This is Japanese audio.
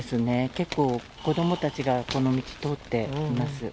結構、子どもたちがこの道通っています。